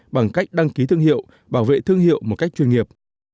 bằng cách đăng ký thương hiệu bảo vệ thương hiệu một cách chuyên nghiệp